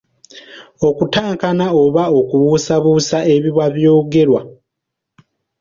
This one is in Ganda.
Okutankana oba okubuusabuusa ebiba by'ogerwa.